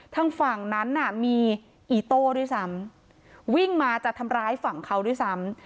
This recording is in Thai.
ทางฝั่งนั้นน่ะมีอีโต้ด้วยซ้ำวิ่งมาจะทำร้ายฝั่งเขาด้วยซ้ำ